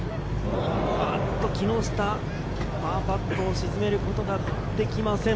木下、パーパットを沈めることができません。